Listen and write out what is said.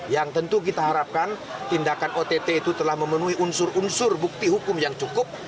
yang tentu kita harapkan tindakan ott itu telah memenuhi unsur unsur bukti hukum yang cukup